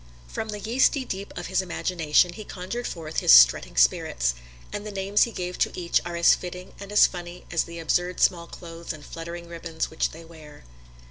From the yeasty deep of his imagination he conjured forth his strutting spirits; and the names he gave to each are as fitting and as funny as the absurd smallclothes and fluttering ribbons which they wear.